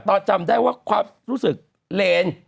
จำได้ว่าความรู้สึกเลน